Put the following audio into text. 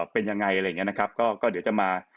เป็นยังไงอะไรอย่างนี้นะครับก็เดี๋ยวจะมา